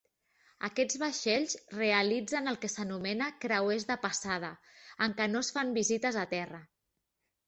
Aquests vaixells realitzen el que s'anomena "creuers de passada", en què no es fan visites a terra.